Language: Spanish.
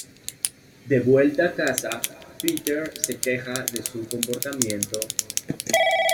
De vuelta a casa, Peter se queja de su comportamiento.